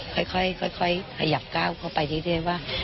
ค่อยขยับก้าวเข้าไปที่ที่นี่ว่า